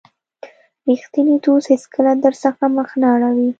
رښتینی دوست هیڅکله درڅخه مخ نه اړوي.